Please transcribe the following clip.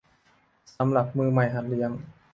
สำหรับมือใหม่หัดเลี้ยง